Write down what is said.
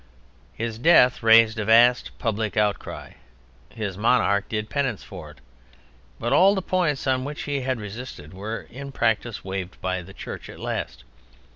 His death raised a vast public outcry. His monarch did penance for it. But all the points on which he had resisted were in practice waived by the Church at last.